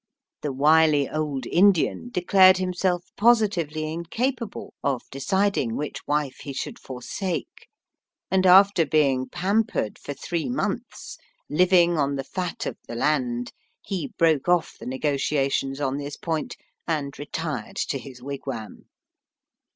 The wily old Indian declared him self positively incapable of deciding which wife he should forsake, and after being pam pered for three months, living on the fat of the land, he broke off the negotiations on this point, and retired to his wigwam.